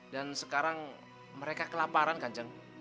dan sekarang mereka kelaparan kanjeng